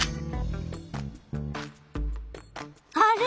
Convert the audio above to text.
あれ？